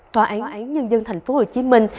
tòa án nhân dân thành phố hồ chí minh